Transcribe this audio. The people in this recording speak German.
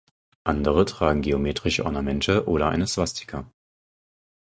Andere tragen geometrische Ornamente oder eine Swastika.